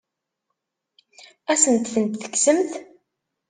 Ad asent-tent-tekksemt?